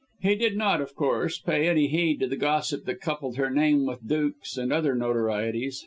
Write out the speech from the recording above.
He did not, of course, pay any heed to the gossip that coupled her name with dukes and other notorieties.